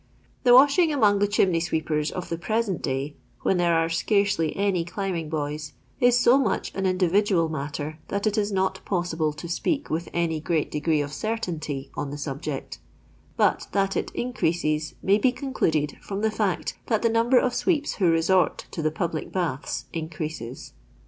The washing among the chimney sweepers of the present day, when there are scarcely any climbing boys, is so much an individual matter that it is not possible to speak with any great degree of certainty on the subject, but that it increases max* be concluded from the fiict that the number of sweeps who resort to the public baths increases.